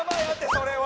それは。